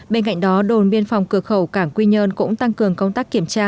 bên cạnh đó đồn biên phòng cửa khẩu cảng quy nhơn cũng tăng cường công tác kiểm tra